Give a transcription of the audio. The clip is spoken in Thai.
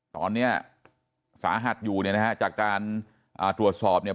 ตอนนี้สาหัสอยู่เนี่ยนะฮะจากการอ่าตรวจสอบเนี่ย